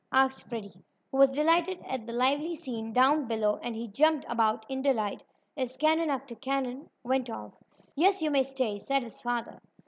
asked Freddie, who was delighted at the lively scene down below, and he jumped about in delight as cannon after cannon went off. "Yes, you may stay," said his father.